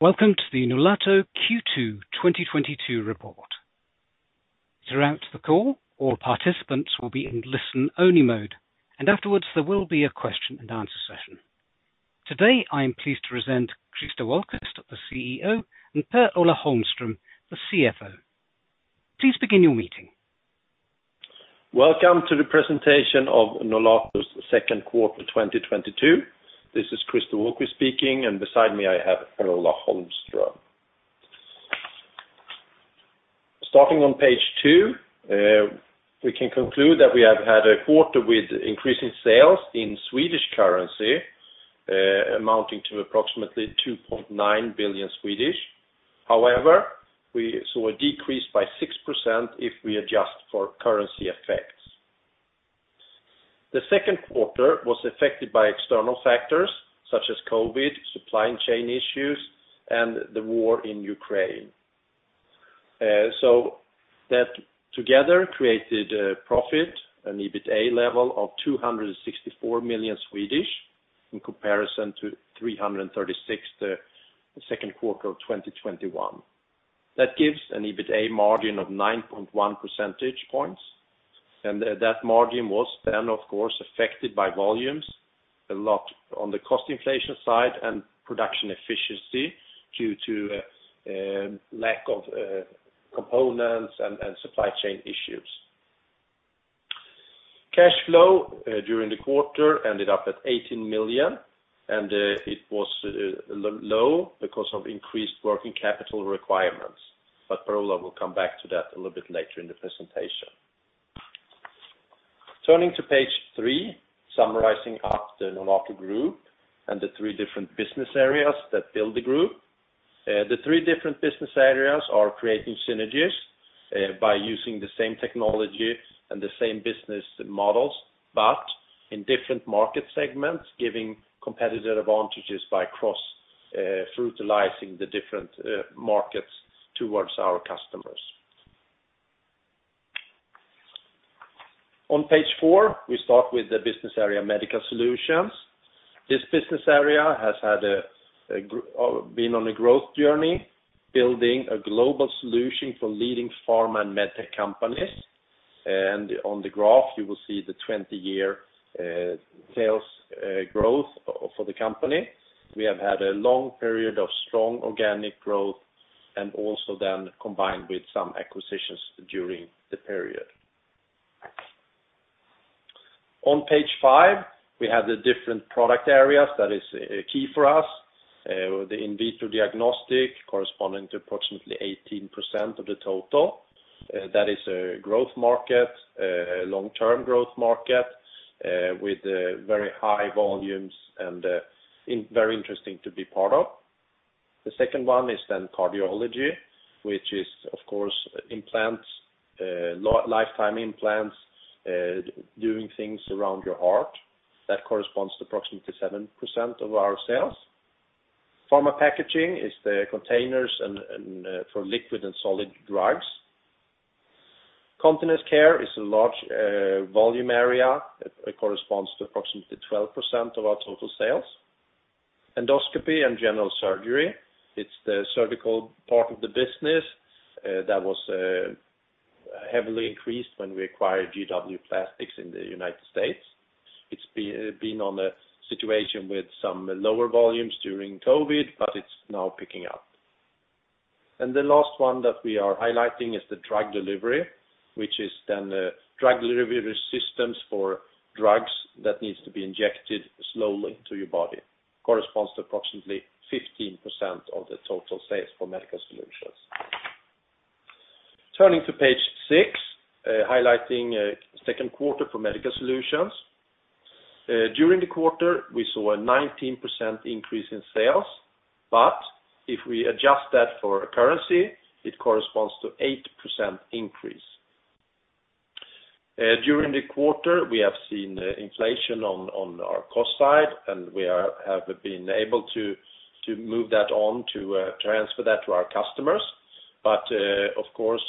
Welcome to the Nolato Q2 2022 report. Throughout the call, all participants will be in listen-only mode, and afterwards, there will be a question-and-answer session. Today, I am pleased to present Christer Wahlquist, the CEO, and Per-Ola Holmström, the CFO. Please begin your meeting. Welcome to the presentation of Nolato's second quarter 2022. This is Christer Wahlquist speaking, and beside me, I have Per-Ola Holmström. Starting on page two, we can conclude that we have had a quarter with increasing sales in Swedish currency, amounting to approximately 2.9 billion. However, we saw a decrease by 6% if we adjust for currency effects. The second quarter was affected by external factors such as COVID, supply chain issues, and the war in Ukraine. That together created a profit, an EBITA level of 264 million in comparison to 336 million, the second quarter of 2021. That gives an EBITA margin of 9.1 percentage points. That margin was then, of course, affected by volumes, a lot on the cost inflation side and production efficiency due to lack of components and supply chain issues. Cash flow during the quarter ended up at 18 million, and it was low because of increased working capital requirements. Per-Ola will come back to that a little bit later in the presentation. Turning to page three, summarizing up the Nolato Group and the three different business areas that build the group. The three different business areas are creating synergies by using the same technology and the same business models, but in different market segments, giving competitive advantages by cross-utilizing the different markets towards our customers. On page four, we start with the business area, Medical Solutions. This business area has been on a growth journey, building a global solution for leading pharma and med tech companies. On the graph, you will see the 20-year sales growth for the company. We have had a long period of strong organic growth and also then combined with some acquisitions during the period. On page five, we have the different product areas that is key for us. The In Vitro Diagnostic, corresponding to approximately 18% of the total. That is a growth market, long-term growth market, with very high volumes and very interesting to be part of. The second one is cardiology, which is, of course, implants, lifetime implants, doing things around your heart. That corresponds to approximately 7% of our sales. Pharma packaging is the containers for liquid and solid drugs. Continence Care is a large volume area. It corresponds to approximately 12% of our total sales. Endoscopy and general surgery, it's the surgical part of the business that was heavily increased when we acquired GW Plastics in the United States. It's been in a situation with some lower volumes during COVID, but it's now picking up. The last one that we are highlighting is the Drug Delivery, which is then the Drug Delivery systems for drugs that needs to be injected slowly to your body. Corresponds to approximately 15% of the total sales for Medical Solutions. Turning to page six, highlighting second quarter for Medical Solutions. During the quarter, we saw a 19% increase in sales. If we adjust that for currency, it corresponds to 8% increase. During the quarter, we have seen inflation on our cost side, and we have been able to transfer that to our customers. Of course,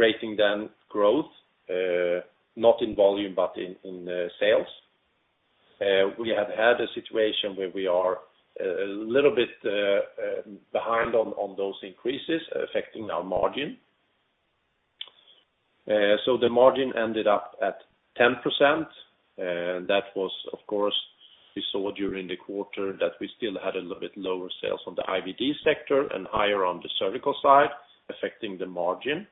creating that growth not in volume, but in sales. We have had a situation where we are a little bit behind on those increases affecting our margin. So the margin ended up at 10%. That was, of course. We saw during the quarter that we still had a little bit lower sales on the IVD sector and higher on the Surgical side, affecting the margin.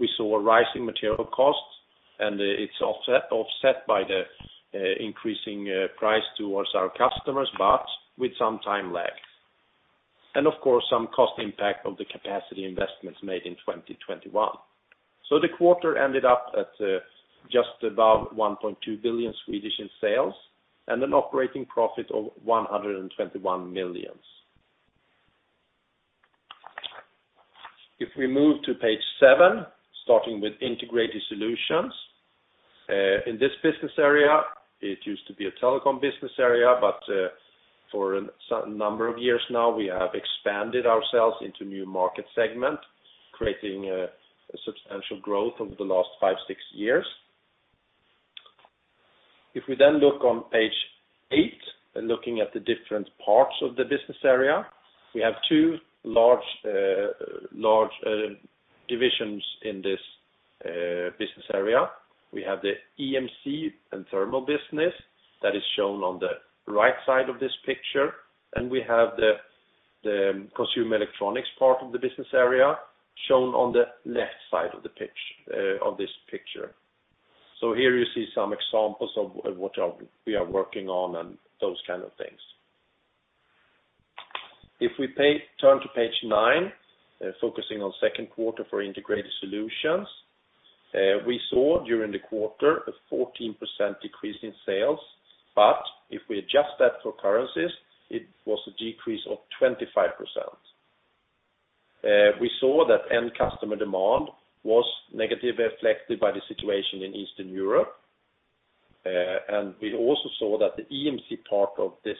We saw a rise in material costs, and it's offset by the increasing price towards our customers, but with some time lag. Of course, some cost impact of the capacity investments made in 2021. The quarter ended up at just above 1.2 billion in sales and an operating profit of 121 million. If we move to page seven, starting with Integrated Solutions. In this business area, it used to be a telecom business area, but for a certain number of years now, we have expanded ourselves into new market segment, creating a substantial growth over the last five-six years. If we look on page eight, looking at the different parts of the business area, we have two large divisions in this business area. We have the EMC and Thermal business that is shown on the right side of this picture, and we have the consumer electronics part of the business area shown on the left side of the picture. Here you see some examples of what we are working on and those kind of things. If we turn to page nine, focusing on second quarter for Integrated Solutions, we saw during the quarter a 14% decrease in sales, but if we adjust that for currencies, it was a decrease of 25%. We saw that end customer demand was negatively affected by the situation in Eastern Europe, and we also saw that the EMC part of this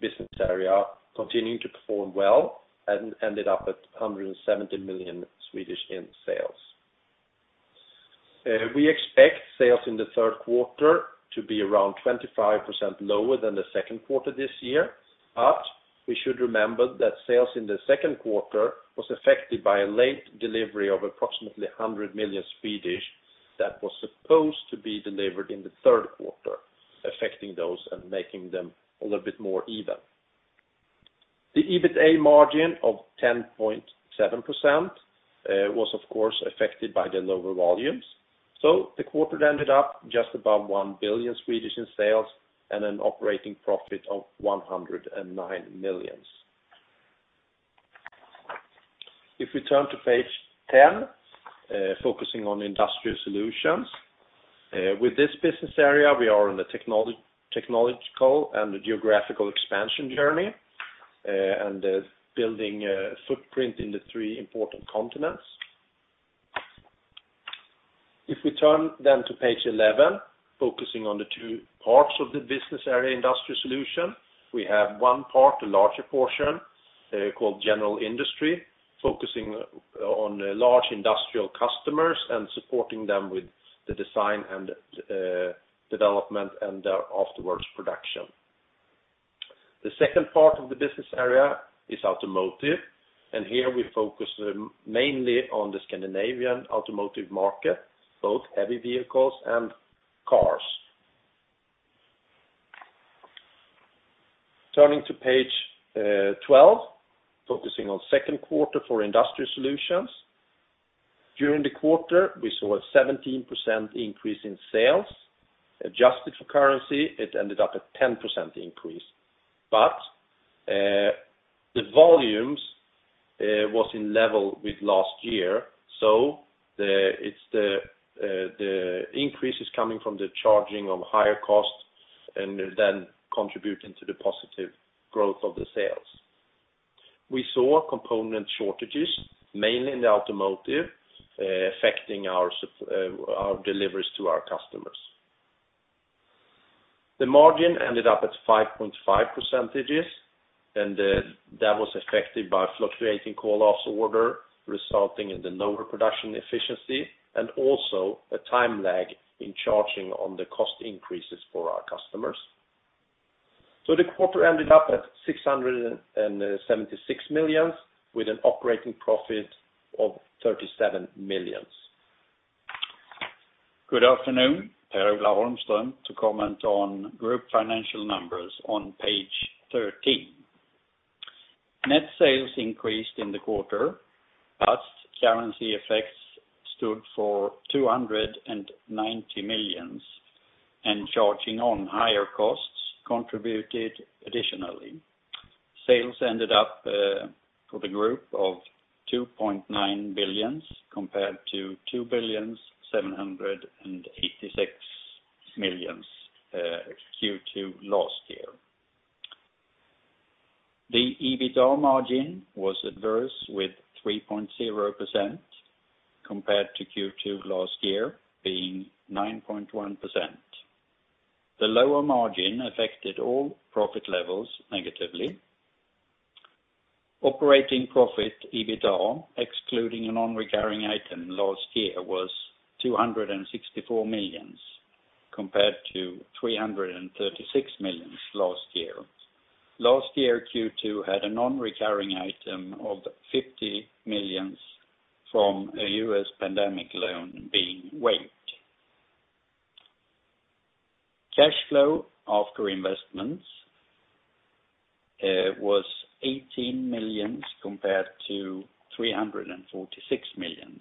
business area continued to perform well and ended up at 170 million in sales. We expect sales in the third quarter to be around 25% lower than the second quarter this year, but we should remember that sales in the second quarter was affected by a late delivery of approximately 100 million that was supposed to be delivered in the third quarter, affecting those and making them a little bit more even. The EBITA margin of 10.7% was, of course, affected by the lower volumes. The quarter ended up just above 1 billion in sales and an operating profit of 109 million. If we turn to page 10, focusing on Industrial Solutions, with this business area, we are in the technological and the geographical expansion journey, and building a footprint in the three important continents. If we turn then to page 11, focusing on the two parts of the business area Industrial Solutions, we have one part, a larger portion, called General Industry, focusing on large industrial customers and supporting them with the design and development and afterwards production. The second part of the business area is Automotive, and here we focus mainly on the Scandinavian automotive market, both heavy vehicles and cars. Turning to page 12, focusing on second quarter for Industrial Solutions. During the quarter, we saw a 17% increase in sales. Adjusted for currency, it ended up at 10% increase. The volumes was in level with last year. The increase is coming from the charging of higher costs and then contributing to the positive growth of the sales. We saw component shortages, mainly in the automotive, affecting our deliveries to our customers. The margin ended up at 5.5%, and that was affected by fluctuating call-off orders, resulting in lower production efficiency and also a time lag in passing on the cost increases for our customers. The quarter ended up at 676 million with an operating profit of 37 million. Good afternoon, Per-Ola Holmström to comment on group financial numbers on page 13. Net sales increased in the quarter, but currency effects stood for 290 million, and change in higher costs contributed additionally. Sales ended up for the group of 2.9 billion compared to 2.786 billion Q2 last year. The EBITA margin was adverse with 3.0% compared to Q2 last year being 9.1%. The lower margin affected all profit levels negatively. Operating profit EBITA, excluding a non-recurring item last year, was 264 million compared to 336 million last year. Last year, Q2 had a non-recurring item of 50 million from a U.S. pandemic loan being waived. Cash flow after investments was 18 million compared to 346 million.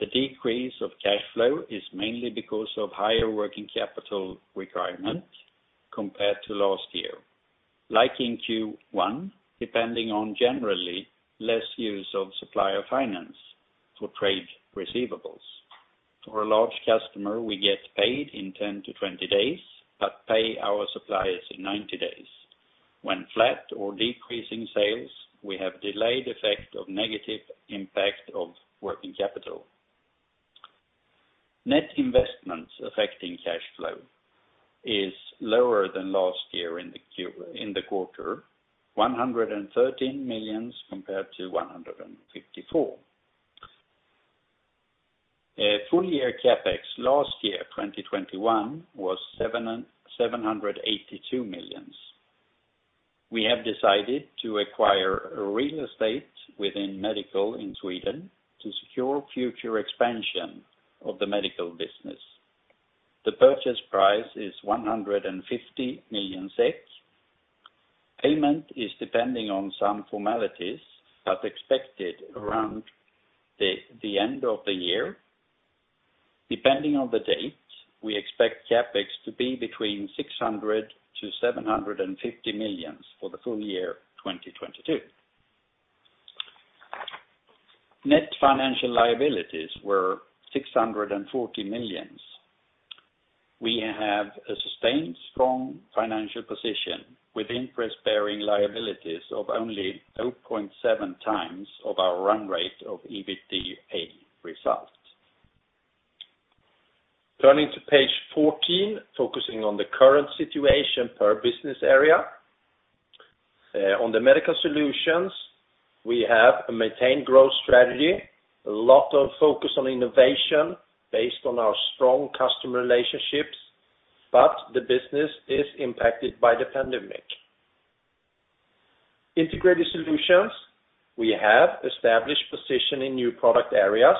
The decrease of cash flow is mainly because of higher working capital requirement compared to last year. Like in Q1, depending on generally less use of supplier finance for trade receivables. For a large customer, we get paid in 10-20 days, but pay our suppliers in 90 days. When flat or decreasing sales, we have delayed effect of negative impact of working capital. Net investments affecting cash flow is lower than last year in the quarter, 113 million compared to 154 million. Full year CapEx last year, 2021 was 782 million. We have decided to acquire a real estate within medical in Sweden to secure future expansion of the medical business. The purchase price is 150 million SEK. Payment is depending on some formalities but expected around the end of the year. Depending on the date, we expect CapEx to be between 600 million-750 million for the full year 2022. Net financial liabilities were 640 million. We have a sustained strong financial position with interest bearing liabilities of only 0.7x of our run rate of EBITDA result. Turning to page 14, focusing on the current situation per business area. On the Medical Solutions, we have a maintained growth strategy, a lot of focus on innovation based on our strong customer relationships, but the business is impacted by the pandemic. Integrated Solutions, we have established position in new product areas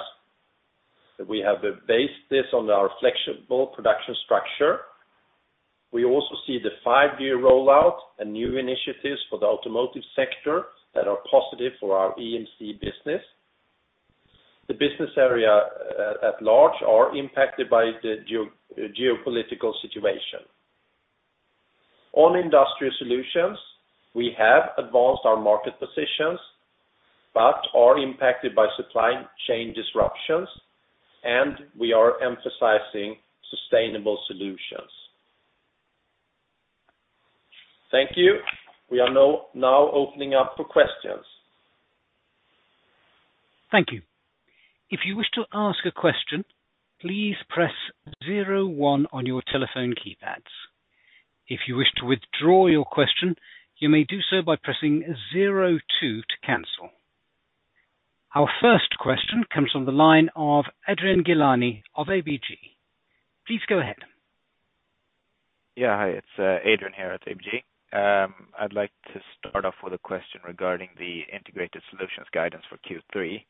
that we have based this on our flexible production structure. We also see the five-year rollout and new initiatives for the automotive sector that are positive for our EMC business. The business area at large are impacted by the geopolitical situation. On Industrial Solutions, we have advanced our market positions, but are impacted by supply chain disruptions, and we are emphasizing sustainable solutions. Thank you. We are now opening up for questions. Thank you. If you wish to ask a question, please press zero one on your telephone keypads. If you wish to withdraw your question, you may do so by pressing zero two to cancel. Our first question comes from the line of Adrian Gilani of ABG. Please go ahead. Yeah. Hi, it's Adrian here at ABG. I'd like to start off with a question regarding the Integrated Solutions guidance for Q3.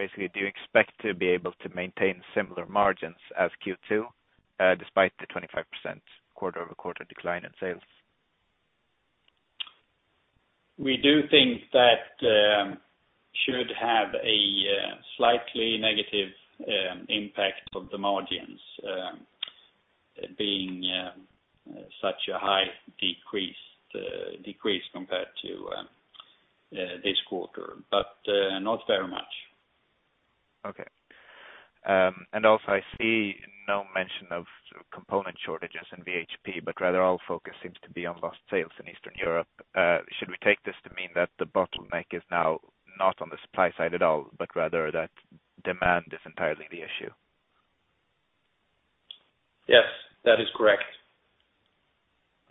Basically, do you expect to be able to maintain similar margins as Q2 despite the 25% quarter-over-quarter decline in sales? We do think that should have a slightly negative impact of the margins being such a high decrease compared to this quarter, but not very much. Okay. Also I see no mention of component shortages in VHP, but rather all focus seems to be on lost sales in Eastern Europe. Should we take this to mean that the bottleneck is now not on the supply side at all, but rather that demand is entirely the issue? Yes, that is correct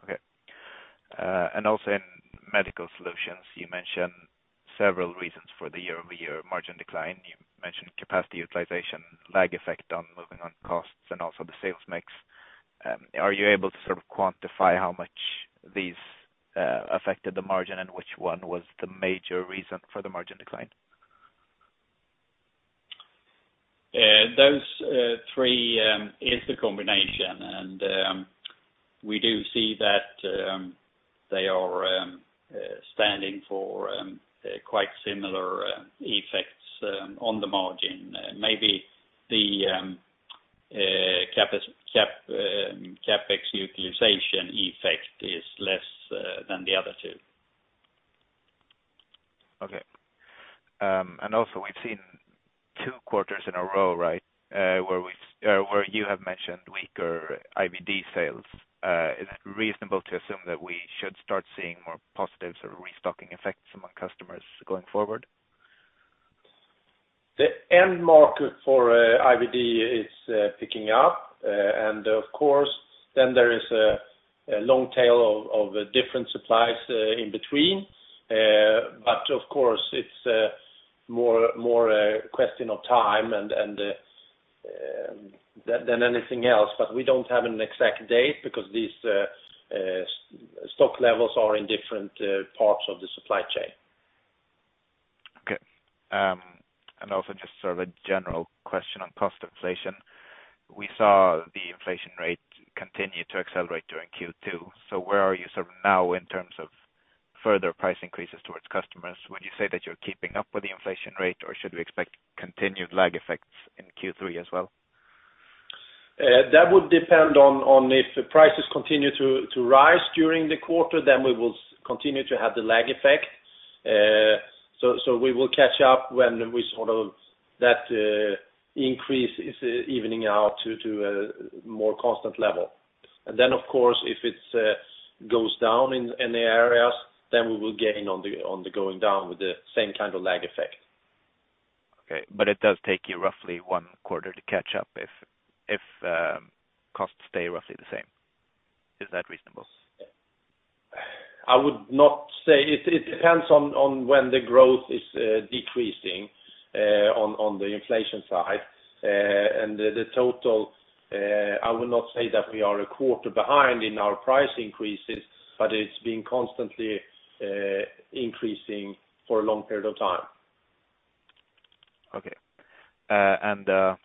Okay. In Medical Solutions, you mentioned several reasons for the year-over-year margin decline. You mentioned capacity utilization, lag effect on moving on costs, and also the sales mix. Are you able to sort of quantify how much these affected the margin and which one was the major reason for the margin decline? Those three is the combination, and we do see that they are standing for quite similar effects on the margin. Maybe the CapEx utilization effect is less than the other two. Okay. We've seen two quarters in a row, right? Where you have mentioned weaker IVD sales. Is it reasonable to assume that we should start seeing more positives or restocking effects among customers going forward? The end market for IVD is picking up. Of course, then there is a long tail of different suppliers in between. Of course, it's more a question of time than anything else. We don't have an exact date because these stock levels are in different parts of the supply chain. Okay. Also just sort of a general question on cost inflation. We saw the inflation rate continue to accelerate during Q2. Where are you sort of now in terms of further price increases towards customers? Would you say that you're keeping up with the inflation rate, or should we expect continued lag effects in Q3 as well? That would depend on if the prices continue to rise during the quarter, then we will continue to have the lag effect. We will catch up when that increase is evening out to a more constant level. Of course, if it goes down in the areas, then we will gain on the going down with the same kind of lag effect. Okay. It does take you roughly one quarter to catch up if costs stay roughly the same. Is that reasonable? I would not say it. It depends on when the growth is decreasing on the inflation side. I will not say that we are a quarter behind in our price increases, but it's been constantly increasing for a long period of time. Okay.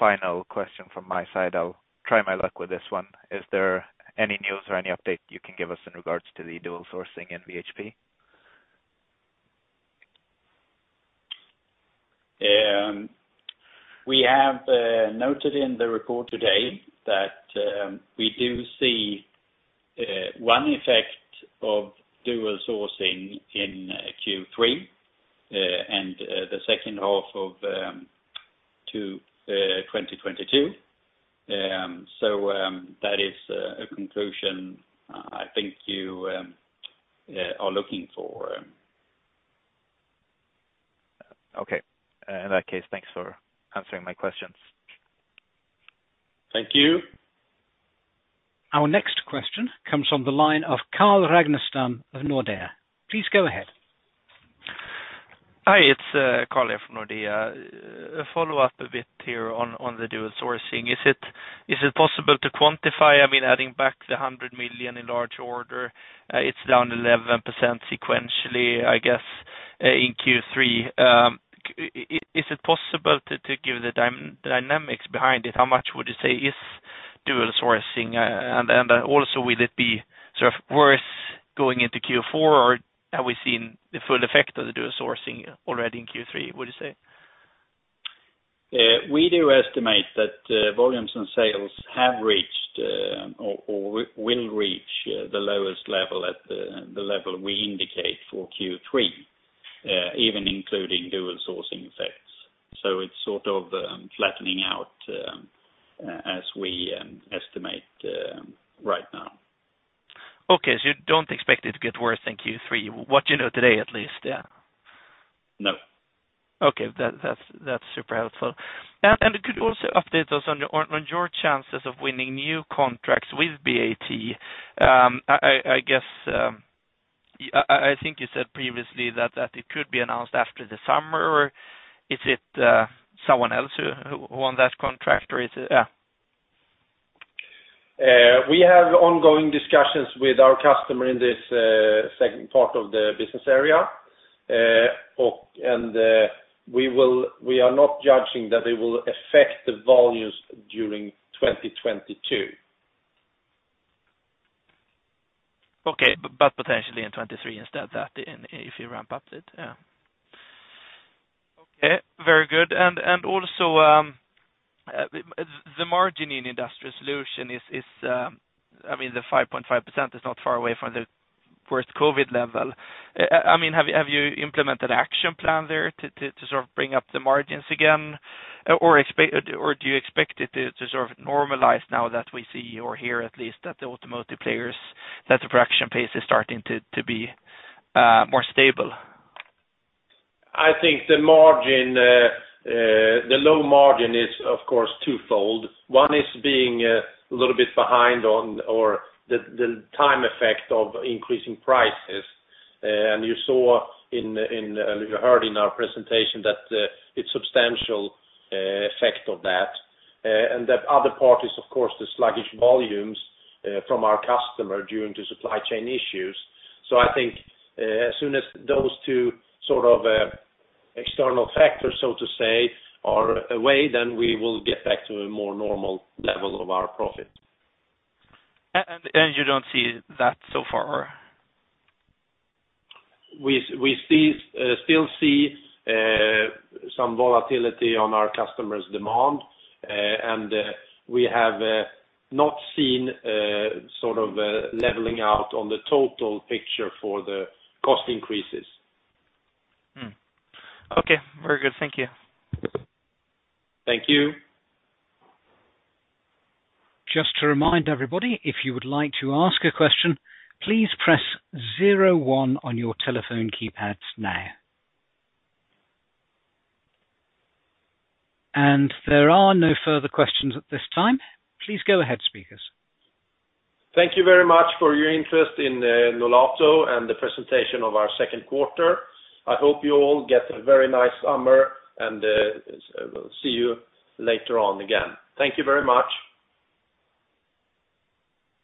Final question from my side. I'll try my luck with this one. Is there any news or any update you can give us in regards to the dual sourcing in VHP? We have noted in the report today that we do see one effect of dual sourcing in Q3 and the second half of 2022. That is a conclusion I think you are looking for. Okay. In that case, thanks for answering my questions. Thank you. Our next question comes from the line of Carl Ragnerstam of Nordea. Please go ahead. Hi, it's Carl Ragnerstam from Nordea. A follow-up a bit here on the dual sourcing. Is it possible to quantify? I mean, adding back the 100 million in large order, it's down 11% sequentially, I guess, in Q3. Is it possible to give the dynamics behind it? How much would you say is dual sourcing? And also, will it be sort of worse going into Q4, or have we seen the full effect of the dual sourcing already in Q3, would you say? We do estimate that volumes and sales have reached, or will reach, the lowest level at the level we indicate for Q3, even including dual sourcing effects. It's sort of flattening out as we estimate right now. Okay. You don't expect it to get worse than Q3, what you know today at least, yeah? No. Okay. That's super helpful. Could you also update us on your chances of winning new contracts with BAT? I guess I think you said previously that it could be announced after the summer, or is it someone else who own that contract, or is it? Yeah. We have ongoing discussions with our customer in this second part of the business area. We are not judging that it will affect the volumes during 2022. Okay. Potentially in 2023 instead, that if you ramp up it, yeah. Okay. Very good. And also, the margin in Industrial Solutions is. I mean, the 5.5% is not far away from the worst COVID level. I mean, have you implemented action plan there to sort of bring up the margins again? Or do you expect it to sort of normalize now that we see or hear at least that the automotive players, that the production pace is starting to be more stable? I think the low margin is of course twofold. One is being a little bit behind on the time effect of increasing prices. You heard in our presentation that it's substantial effect of that. The other part is of course the sluggish volumes from our customer due to supply chain issues. I think as soon as those two sort of external factors, so to say, are away, then we will get back to a more normal level of our profit. You don't see that so far? We still see some volatility on our customer's demand. We have not seen sort of a leveling out on the total picture for the cost increases. Okay. Very good. Thank you. Thank you. Just to remind everybody, if you would like to ask a question, please press zero one on your telephone keypads now. There are no further questions at this time. Please go ahead, speakers. Thank you very much for your interest in Nolato and the presentation of our second quarter. I hope you all get a very nice summer, and we'll see you later on again. Thank you very much.